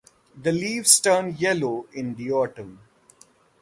The leaves turn yellow in the autumn.